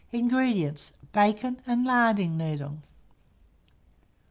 INGREDIENTS. Bacon and larding needle.